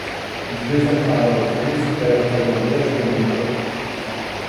Il deviendra alors le premier footballeur thaïlandais à jouer en Liga.